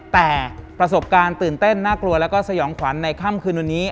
แต่ประสบการณ์ตื่นเต้นน่ากลัวแล้วก็สยองขวัญในค่ำคืนวันนี้